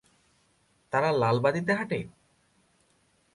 তারা লাল বাতিতে হাঁটে?